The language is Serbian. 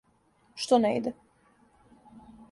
Што не иде?